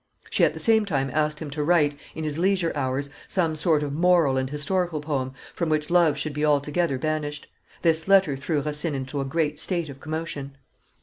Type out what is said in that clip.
She at the same time asked him to write, in his leisure hours, some sort of moral and historical poem from which love should be altogether banished. This letter threw Racine into a great state of commotion.